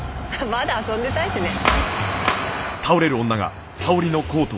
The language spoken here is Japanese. まだ遊んでたいしね。